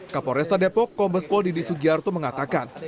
kepolisian polresa depok kombes pol didi sugiarto mengatakan